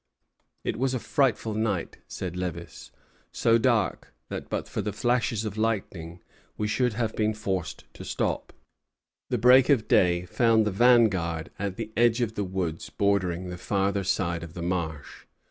"It was a frightful night," says Lévis; "so dark that but for the flashes of lightning we should have been forced to stop." The break of day found the vanguard at the edge of the woods bordering the farther side of the marsh.